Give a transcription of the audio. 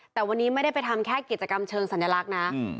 แต่วันนี้ไม่ได้ไปทำแค่กิจกรรมเชิงสัญลักษณ์นะ